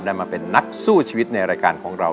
ได้มาเป็นนักสู้ชีวิตในรายการของเรา